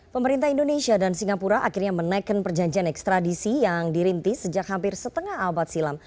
pemerintah indonesia dan singapura akhirnya menaikkan perjanjian ekstradisi yang dirintis sejak hampir setengah abad silam